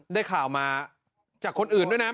ได้ข่าวมาจากคนอื่นด้วยนะ